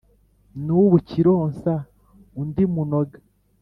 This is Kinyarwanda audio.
n’ ubu kironsa undi munoga !